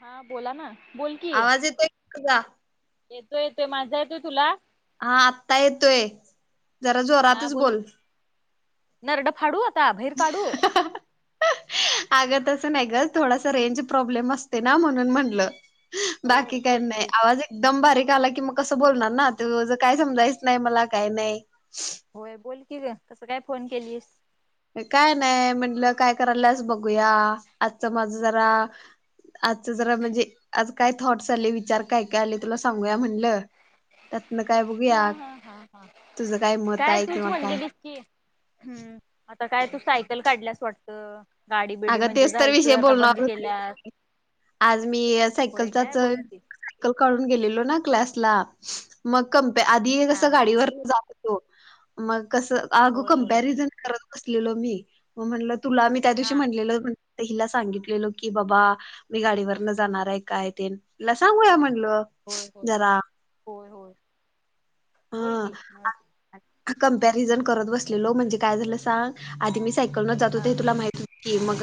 हा बोला ना बोल कि आवाज येतोय का तुझा? येतो येतोय माझा येतोय तुला हा. आत्ता येतोय. जरा हा जोरातच बोल. की नरड फाडू आता? बहीर काढू? अगं तसं नाही ग. थोडासा रेंज प्रॉब्लेम असते ना म्हणून म्हणलं. होय बाकी होय का बोल नाही. की आवाज एकदम बारीक आला की, मग कसं बोलणार ना ते ज काय समजायचं नाही. मला काय नाही. होय. बोल की ग कसं काय फोन केलीस? काय नाही. म्हटलं काय करायलास बघूया. आजचं माझ जरा आजच जरा म्हणजे आज काय थॉट्स आले विचार काय काय आले, तुला सांगूया म्हणलं. त्यातन काय बघूया. हा हा हा हा तुझं काय मत आहे, तूच किंवा काय म्हणलेलीस की हम्म. आता काय तू सायकल काढल्यास वाटतं? गाडी बिडी अगं म्हणजे तेच तर विषय जायचं, आता बंद बोलणार होती. केल्यास आज मी होय काय सायकलचाच बोल की काढून गेलेलो ना क्लासला, मग कप आधी कस हा हा हा गाडीवर मग कस आग होय बरोबर कंपॅरिजन करत बसलेलो मी, मग म्हनलं तुला बी त्यात हा म्हणलेल हिला सांगितलेल की बाबा मी गाडीवर न जाणार आहे, काय ते तला सांगूया म्हणलं. होय. होय. जरा होय. होय. बोल ह की मग कमपॅरिझन करत बसलेलो, म्हणजे काय झालं सांग आधी मी सायकल न जात हुतो, हा ते तुला माहित होत की, मग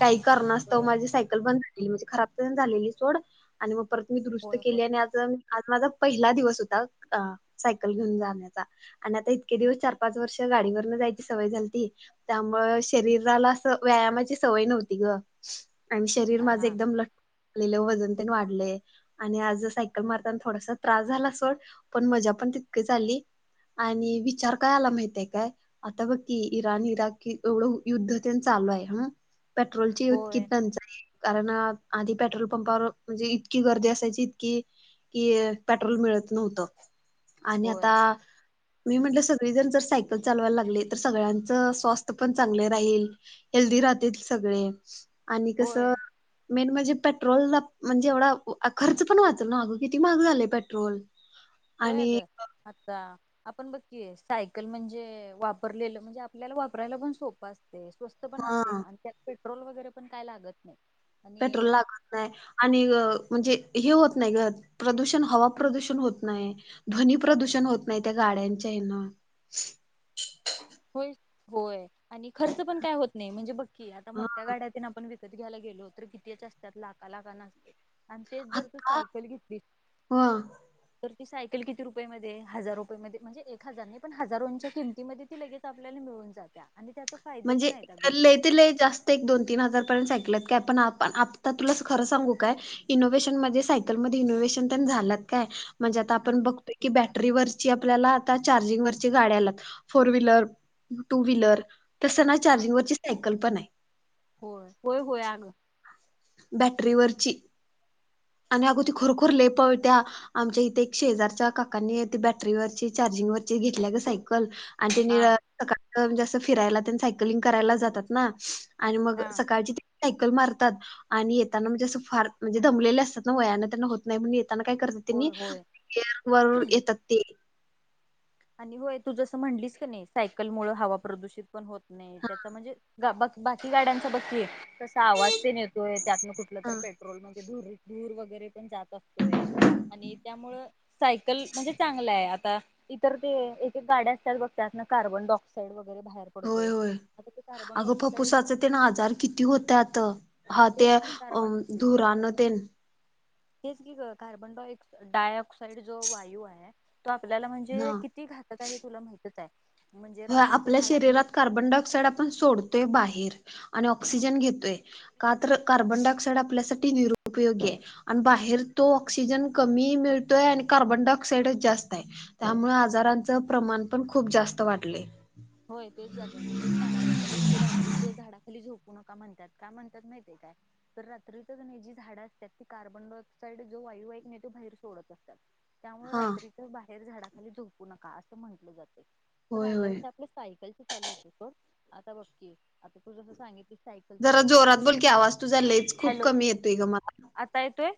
काही करणास्तव होय माझी सायकल बंद म्हणजे खराब झालेली सोड आणि मग परत मी दुरुस्त होय होय केली आणि आज आज माझा पहिला दिवस होता. अ सायकल घेऊन जाण्याचा. आणि आता इतके दिवस चार पाच वर्ष गाडीवरन जायची सवय झाली त त्यामुळ, शरीराला असं व्यायामाची सवय नव्हती ग. आणि शरीर हा माझे हा एकदम ल आलेले वजन तेन वाढले आणि आज सायकल मारताना थोडासा त्रास झाला सोड पण मजा पण तितकीे झाली. आणि विचार करायला माहितय काय? आता बघ की इराण इराक एवढं युद्ध त्यां चालू आहे हा पेट्रोलची होय उतकीच टंचाई कारण आधी पेट्रोल पंपावर म्हणजे इतकी गर्दी असायची इतकी कि पेट्रोल मिळत नव्हतं. आणि आता होय मी म्हंटलं सगळी जर जर सायकल चालवायला लागले, तर सगळ्यांचं स्वास्थ्य पण चांगले राहील. हेल्दी राहतील सगळे आणि कसं होय मेन म्हणजे पेट्रोलचा म्हणजे एवढा खर्च पण वाचाल ना. अगं किती महाग झाले पेट्रोल आणि अच्छा. आपण बघकी सायकल म्हणजे, वापरलेलं म्हणजे आपल्याला वापरायला पण सोपं अस ते स्वस्त पण असते. हा आणि त्यात पेट्रोल वगैरे पण काय लागत नाही. पेट्रोल आणि लागत नाही. आणि म्हणजे हे होत नाही. प्रदूषण, हवा प्रदूषण होत नाही. ध्वनी प्रदूषण होत नाही. त्या गाड्यांच्या येना होय. होय. आणि खर्च पण काय होत नाही. म्हणजे बघकी, आता मोठ्या गाड्यात आपण त घ्यायला गेलो तर, कितीच असतात लाख लाखा नसते आणि तेच जर तू आता सायकल घेतली ह तर ती सायकल किती रुपये मधे? हजार रुपये मधे म्हणजे एक हजार नाही पण हजारोंच्या किमतीमध्ये ती लगेच आपल्याला मिळून जात्या. आणि त्याचा फायदा म्हणजे पण आहेत अगं खूप ल तर लई जास्त एक दोन तीन हजारपर्यंत ऐकलत. काय पण आपण आता तुला खरं सांगू काय. इनोव्हेशन म्हणजे सायकलमध्ये इनोव्हेशन तर झालात काय, म्हणजे आता हा आपण बघतोय की बॅटरीवर आपल्याला आता चार्जिंग वर गाड्या आल्यात. फोर व्हिलर, टू व्हिलर तसं ना हा चार्जिंग वरची सायकल पण आहे. होय होय होय अगं बॅटरीवररची आणि अग ती खरुखर लई पळत्या आमच्या इथे एक शेजारच्या काकांनी बॅटरीवरची चार्जिंग वरची घेतल्या ग सायकल आणि त्यांनी हा सकाळच म्हणजे असं फिरायला त्यांनी सायकलिंग करायला जातात ना आणि मग हा सकाळची ते सायकल मारतात आणि येताना म्हणजे असं फार म्हणजे दमलेले असतात ना वयानं त्यांना होत नाही म्हण येताना काय करत होय त्यांनी होय अर वर येतात ते आणि होय तू जसं म्हणलीस का नाही सायकल मुळ हवा प्रदूषित पण होत नाही त्याचा म्हणजे ब बाकी गाड्यांचा बकी कसा आवाज ते न येतोय त्यातनं कुठलं हा तर पेट पेट्रोल मध्येधूर वगैरे पण जात असतोय आणि त्यामुळं सायकल म्हणजे चांगलं आहे आता इतर ते एके गाड्या असतात बघ त्यात ना कार्बन डाय ऑक्साइड वगैरे बाहेर होय पडतोय होय ते कार्बन अगं डायऑक्साइड फप्पुसाचं ते ना आजार किती होत्यात हा तेच ते की अ कार्बन धुरान तेन हेच की कार्बन डा डाय ऑक्साइड जो वायू आहे तो आपल्याला म्हण ना ते किती घातक आहे हे तुला माहित आहे म्हणजे होय रात्रीच आपल्या झाडाखाली शरीरात कार्बन डाय ऑक्साइड आपण सोडतोय बाहेर आणि ऑक्सिजन घेतोय का तर कार्बनडायऑक्साइड आपल्यासाठी नि उपयोगी आहे आणि बाहेर तो ऑक्सिजन कमी मिळतोय आणि कार्बन डाय ऑक्साइडच जास्त आहे त्यामुळे आजारांचं प्रमाण पण खूप जास्त वाटले होय तेच जागं मी तेच सांगाले आता बघती रात्रीच झाडाखाली झोपू नका म्हणतात का म्हणतात माहिितय काय तर रात्रीतच नाही जी झाडं असतात ती कार्बन डाय ऑक्साइड जो वायू आहे कि नाही तो बाहेर सोडत असतात त्यामुळे हा रात्रीच्या बाहेर झाडाखाली झोपू नका असं म्हंटलं जाते तर होय राहायला होय आप सायकल चालू होत आता बघ तू जस सांगित जरा जोरात बोल की आवाज तुझालेच खूप हॅलो कमी येतोय ग मला आता येतोय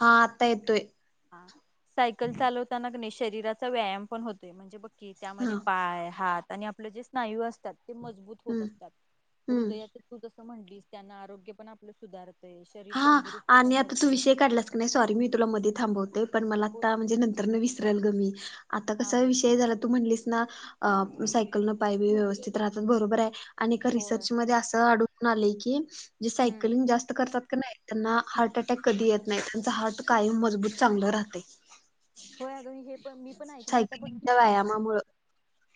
हा आता येतोय. हा सायकल चालवताना कनी शरीराचा व्यायाम पण होतय म्हणजे बघ कि हा त्यामध्ये पाय हात आणि आपलं जे स्नायू असतात ते मजबूत हो हम्म असतात हम्म हृदयाच तूजसं म्हणलीस त्यांना आरोग्य पण आपलं सुधारत. हा आणि आता तू विषय काढलास का नाही सॉरी मी तुला मध्ये थांबवते पण मला बोल आता म्हणजे नंतर विसराल ग मी आता हा कसाय बोल विषय झाला. तू म्हणलीस ना अ सायकल न पाय ब व्यवस्थित राहतात बरोबर आहे. आणि एका होय. रिसर्च मध्ये असं आढळून आलंय की जे हम्म सायकलिंग जास्त करतात क नाय ना हम्म. हार्ट अटॅक कधी येत नाही त्यांच हार्ट कायम मजबूत चांगलं राहतय होय अग मी हे पण मी पण ऐकले आता सायकलिंगच्या बघकी व्यायामामुळं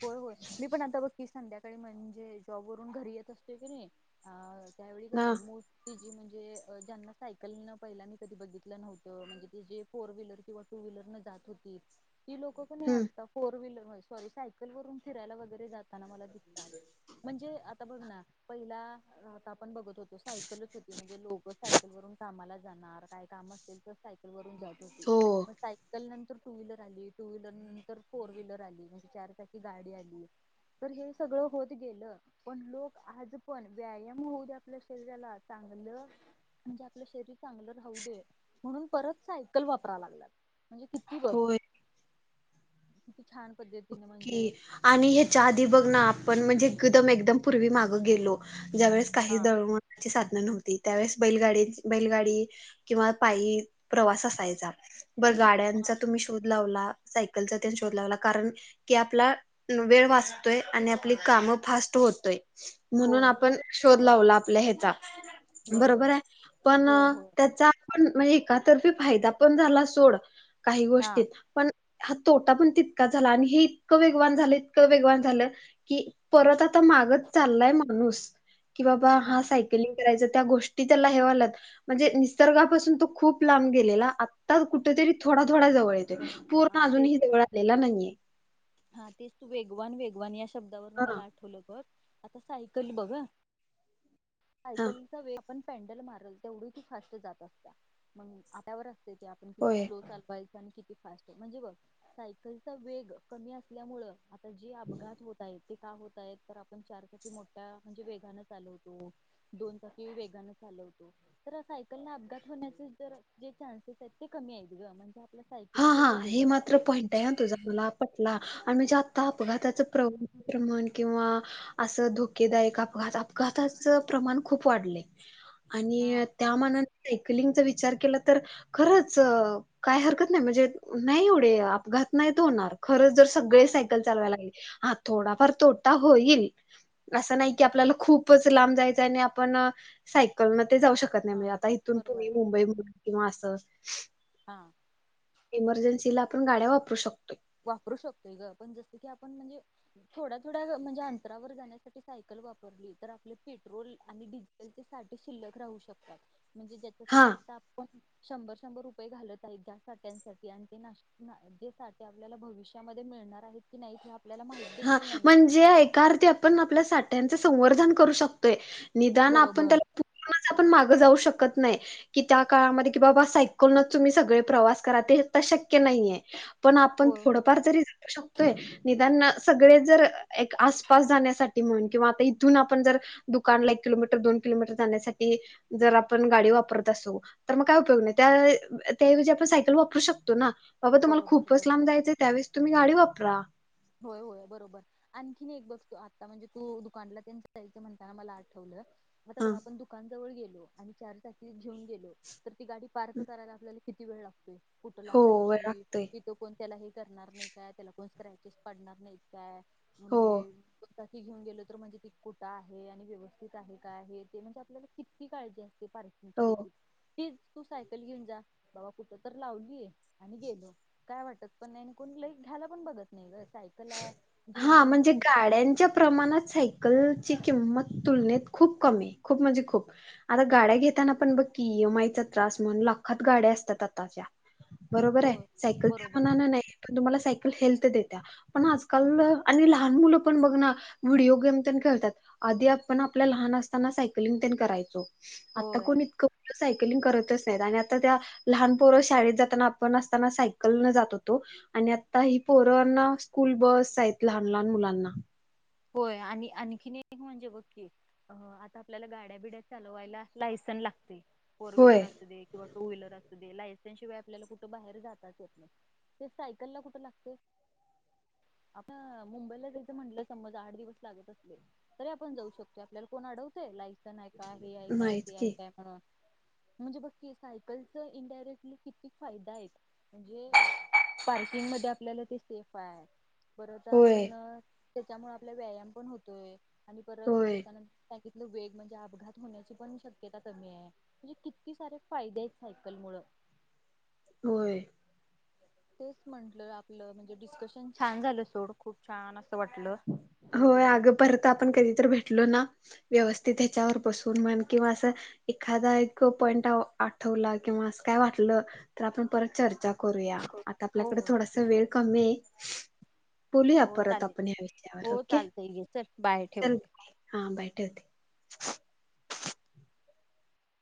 होय होय मी पण आता बघकी संध्याकाळी म्हणजे जॉब वरून घरी येत असतोय की नाही हा त्यावेळी क ना नाही मू ती जी म्हणजे ज्यांना सायकलनं पहिला मी कधी बघितलं नव्हतं म्हणजे जे फोर व्हीलर किंवा टू व्हीलर न हूतीतं ती लोकं कणी हम्म आता फोर व्हीलर होय सॉरी सायकल वरून फिरायला वगैरे जाताना मला दिसतात म्हणजे आता बघ ना पहिला आता आपण बघत होतो सायकलच होती म्हणजे लोक सायकल वरून कामाला जाणार काय काम असेल तर सायकल जात हो मस्त नंतर टू व्हीलर आली टू व्हीलर नंतर फोर व्हीलर आली म्हणजे चार चाकी गाडी आली तर हे सगळं होत गेलं पण लोक आज पण व्यायाम होऊ द्या आपल्या शरीराला चांगलं म्हणजे आपलं शरीर चांगलं राहू दे म्हणून परत सायकल वापरा लागलात म्हणजे किती बघ होय किती छान पद्धतीने म्हणजे की आणि ह्याच्या आधी बघ ना आपण म्हणजे एकदम एकदम पूर्वी मागं गेलो ज्यावेेळेस काही हा दळवची साधनां नव्हती त्यावेळेस बैलगाडी बैलगाडी किंवा पायी प्रवास असायचा बर गाड्यांचा तुम्ही शोध लावला सायकलचा तेन शोध लावला. कारण की आपला वेळ वाचतोय आणि आपली काम फास्ट होतोय म्हणून होय आपण शोध लावला आपल्या ह्याचा बरोबर आहे पण होय होय त्याचा पण म्हणजे एातर्फी फायदा पण झाला सोड काही हा गोष्टीत पण हा तोटा पण तितका झाला आणि हे इतकं वेगवान झालं इतकं वेगवान झालं. की परत आता माग चाललाय माणूस की बाबा हा सा करायच त्या गोष्टी त्याला हे व्हायल्यात. म्हणजे निसर्गापासून तो खूप लांब गेलेला आत्ता कुठेतरी थोडा थोडा जवळ हाईत. बरोबर पूर्ण हा अजून तेच हिरवळ आलेला नाहीये. हा तेच तू वेगवान वेगवान या शब्दावरणं हा मला आठवलं बघ आता सायकल बघ ह हा सायकलच वेळ आपण पॅन्डल मारल तेवढी ती फास्ट जात असतीया. मग आपल्यावर असते ते आपण किती होय स्लो चालवायच आणि किती फास्ट म्हणजे बघ सायकलचा वेग कमी असल्यामुळ आता जे अपघात होत आहेत ते का होत आहेत तर आपण चारचाकी मोठ्या म्हणजे वेगानं चालवतो दोन चाकी वेगानं चालवतो तर सायकलन अपघात होण्याचे जर जे चान्सेस आहेत ते कमी आहेत ग म्हण आपल्या हा सायकलीचा हा जो वेग हे मात्र असतय पॉईंट तुझा मला पटला. आणि जे आता अपघाताच प्रव्र प्रमाण किंवा असं धोकेदायक अपघात, अपघाताच प्रमाण खूप वाढलय आणि हा त्या मानाने सायकलिंगचा विचार केला तर खरंच काय हरकत म्हणजे, नाही एवढे अपघात नाहीत होणार खरच जर हा सगळे साय [unintelligible] चालवाय लागली. हा थोडाफार तोटा होईल. असं नाही की आपल्याला खूपच लांब जायचं हाय आणि आपण सायकलमध्ये जाऊ शकतो हा नाही आता इथून बरोबर पुणे आहे मुंबई किंवा असं हां एमर्जन्सीला आपण गाड्या वापरू शकतोय वापरू शकतोय ग पण जसं की आपण म्हणजे थोड्या थोड्या म्हणजे अंतरावर जाण्यासाठी सायकल वापरली तर आपले पेट्रोल आणि डि ते साठी शिल्लक राहू शकतात म्हणजे ज्याच्यासाठी हा आता आपण शंभर शंभर रुपये घालत आहेत ज्या साठ्यांसाठी आणि तेश जे सा आपल्याला भविष्यामध्ये मिळणार आहेत की नाही आपल्याला माहित हा देखील नाहीये. म्हणजे एका अर्तीी आपण आपल्या साठ्यांच संवर्धन करू शकतोय निदान आपण बरोबर. त्याला पूर्ण आपण मागे जाऊ शकत नाही कि त्या काळामध्ये कि बाबा सायकलच तुम्ही सगळे प्रवास करा ते तर शक्य नाहीये पण आपण होय होय थोडंफार जरीू शकतोय निदान सगळे जर एक आसपास जाण्यासाठी म्हणून किंवा आता इथून आपण जर दुकानला एक किलोमीटर दोन किलोमीटर जाण्यासाठी जर आपण गाडी वापरत असो तर मग काय उपयोग नाही त्या त्याऐवजी आपण सायकल वापरू शकतो ना बाबा तुम्हाला बरोबर खूपच लांब बरोबर जायचे त्यावेळेस तुम्ही गाडी वापरा होय होय बरोबर आणखीन एक बघतो आता म्हणजे तू दुकानला तेन जायचं म्हणताना मला आठवलं आता हा. बघा आपण दुकानजवळ गेलो. आणि चार चाकी घेऊन गेलो तर ती गाडी पार्क करायला आपल्याला किती वेळ लागतोय? कुठं हो व लावायची? लागतोय इथं कोण त्याला हे करणार नाही काय त्याला कोण स्क्रॅचेस पाडणार नाही काय म्हण हो घेऊन गेलो तर म्हणजे ती कुठं आहे आणि व्यवस्थित आहे काय आहे ते म्हणजे आपल्याला किती काळजी असते फार तुमची हो देखील फली तू सायकल घेऊन जा बाबा कुठं तर लावली आणि गेलो काय वाटत पण नाही कोण लाईक घ्यायला पण बघत नाही गस हा म्हणजे गाड्यांच्या प्रमाणातह कल ची किंमत तुलनेत खूप कमी खूप म्हणजे खूप आता गाड्या घेताना पण बघ की यमाईचा त्रास म्हणून लाखात गाड्या असतात आताच्या बरोबर आहे होय सायकल त्या बरोबर माणान नाही पण तुम्हाला सायकल हेल्थ देत्या. पण आजकाल आणि लहान मुलं पण बघ ना व्हिडिओ गेम ते खेळतात. आधी आपण आपल्या लहान असताना सायकलिंग ते करायचो आता होय कोण इतकं सायकलिंग करतच नाहीत आणि आता त्या लहान पोरं शाळेत जाताना आपण असताना सायकल न जात होतो आणि आता ही पोरं ना स्कूल बस सायकल लहान लहान मुलांना होय आणि आणखीन एक म्हणजे बघकी आता आपल्याला गाड्या बिड्या चालवायला लायसन्स लागते फोर होय व्हीलर किंवा टू व्हीलर असत लायसेन्स शिवाय आपल्याला कुठं बाहेर जातच नाही. ते सायकल ला कुठे लागते आपण मुंबईला जायचं म्हटलं समज आठ दिवस लागत असले तरी आपण जाऊ शकतो आपल्याला कोण आडवत लायसन्स आहे का हे आहे काय नाहीच ते आहे की काय. ह म्हणजे बघकी सायकलचा इनडायरेक्टली किती फायदा आहेत. म्हणजे पार्किंग मध्ये आपल्याला ते सेफ आहे. परत आपण होय त्याच्यामुळे आपला व्यायाम पण होतोय आणि परत होय त्याच्यानंतर वेग म्हणजे अपघात होण्याची पण शक्यता कमी आहे. म्हणजे किती सारे फायदे आहेत सायकल मुळ होय‌. तेच म्हंटल आपल म्हणजे डिस्कशन छान झालं सोड खूप छान अस वाटल. होय अगं परता आपण कधी तर भेटलो ना व्यवस्थित याच्यावर बसून म्हण किंवा अस एखादा एक पॉइंट आठवला किंवा काय वाटलं तर आपण परत चर्चा करुया आता हो आपल्याकडे हो नक्की थोडा नक्की वेळ कमी आहे बोलूया हो परत चालेल आप हो चालतय की चल बाय चल ठेवते. हा बाय ठेवते.